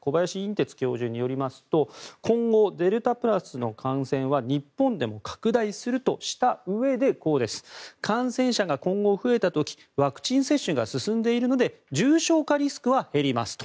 てつ教授によりますと今後、デルタプラスの感染は日本でも拡大するとしたうえで感染者が今後、増えた時ワクチン接種が進んでいるので重症化リスクは減りますと。